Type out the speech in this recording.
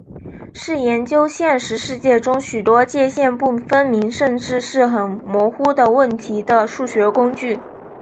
是研究现实世界中许多界限不分明甚至是很模糊的问题的数学工具。